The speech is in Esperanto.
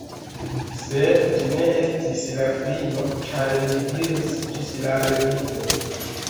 Sed ĝi ne estis la fino, ĉar ni diris, “Ĝis la revido!”